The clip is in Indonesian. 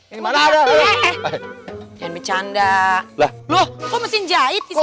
eh mana ada eh eh eh jangan bercanda loh kok mesin jahit isinya